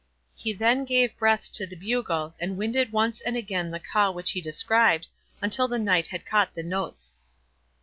He then gave breath to the bugle, and winded once and again the call which he described, until the knight had caught the notes.